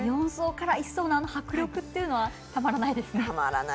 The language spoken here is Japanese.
４走から１走の迫力というのはたまらないですね。